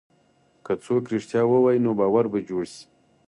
که څوک رښتیا ووایي، نو باور به جوړ شي.